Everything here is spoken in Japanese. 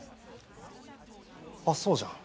あっそうじゃん。